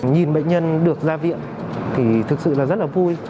nhìn bệnh nhân được ra viện thì thực sự là rất là vui